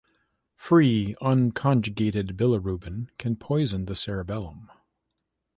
Free unconjugated bilirubin can poison the cerebrum.